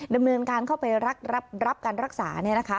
ดำเนินการเข้าไปรับการรักษาเนี่ยนะคะ